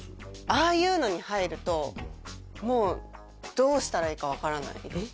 ああいうのに入るともうどうしたらいいか分からないえっ？